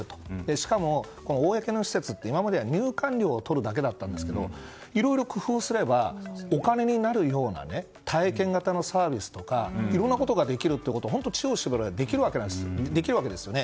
しかも公の施設って今までは入館料をとるだけだったんですけどいろいろ工夫をすればお金になるような体験型のサービスとかいろいろなことができるというのは知恵を絞ればできるわけですよね。